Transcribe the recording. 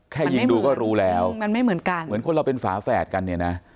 ยิงดูก็รู้แล้วมันไม่เหมือนกันเหมือนคนเราเป็นฝาแฝดกันเนี่ยนะ